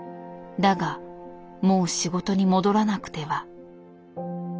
だがもう仕事に戻らなくては。